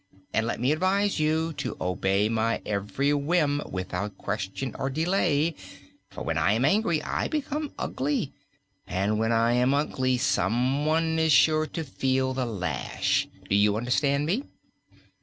And let me advise you to obey my every whim without question or delay, for when I am angry I become ugly, and when I am ugly someone is sure to feel the lash. Do you understand me?"